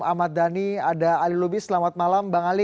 ahmad dhani ada ali lubis selamat malam bang ali